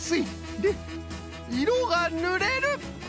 でいろがぬれる！